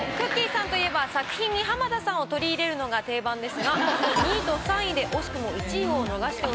さんといえば作品に浜田さんを取り入れるのが定番ですが２位と３位で惜しくも１位を逃しております。